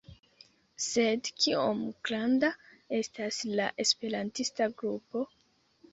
Sed kiom granda estas la esperantista grupo?